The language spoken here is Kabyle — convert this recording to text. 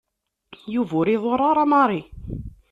Yuba ur iḍuṛṛ ara Mary.